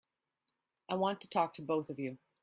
I want to talk to both of you.